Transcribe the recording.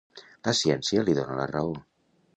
La ciència li dona la raó.